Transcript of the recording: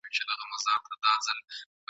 یوه حاجي مي را په شا کړله د وریجو بوجۍ ..